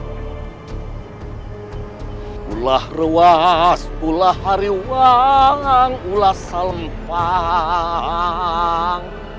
kulah rewas kulah hariwang kulah salempang